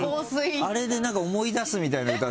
あれで思い出すみたいな歌だよね。